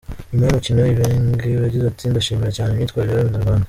Nyuma y’umukino Ibenge yagize ati “Ndashimira cyane imyitwarire y’abanyaRwanda.